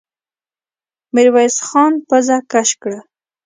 ميرويس خان پزه کش کړه.